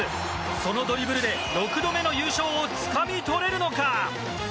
そのドリブルで、６度目の優勝をつかみ取れるのか。